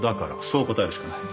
そう答えるしかない。